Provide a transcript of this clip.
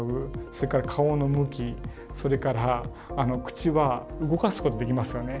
それから顔の向きそれから口は動かすことできますよね。